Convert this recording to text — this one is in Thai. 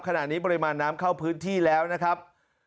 ขณะนี้ปริมาณน้ำเข้าพื้นที่แล้วนะครับ